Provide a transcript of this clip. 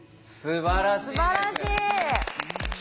すばらしい！